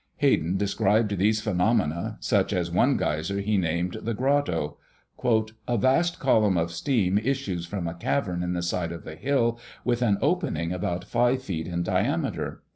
Hayden described these phenomena, such as one geyser he named the Grotto: "A vast column of steam issues from a cavern in the side of the hill, with an opening about 5 feet in diameter.